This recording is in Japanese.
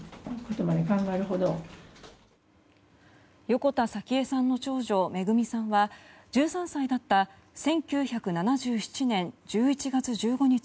横田早紀江さんの長女めぐみさんは１３歳だった１９７７年１１月１５日